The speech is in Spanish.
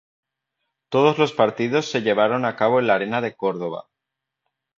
Todos los partidos se llevaron a cabo en la Arena de Córdoba.